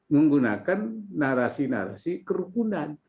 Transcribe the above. menggunakan narasi narasi kerukunan